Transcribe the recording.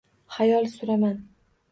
Xayol suraman.